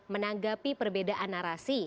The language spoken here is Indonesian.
menanggapi perbedaan narasi